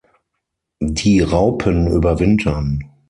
Die Raupen überwintern.